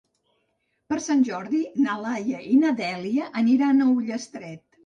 Per Sant Jordi na Laia i na Dèlia aniran a Ullastret.